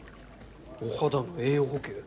お肌の栄養補給。